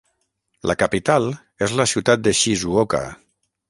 La capital és la ciutat de Shizuoka.